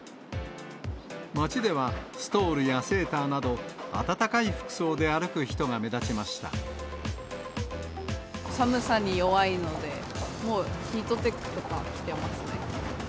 街ではストールやセーターなど、暖かい服装で歩く人が目立ちまし寒さに弱いので、もうヒートテックとか着てますね。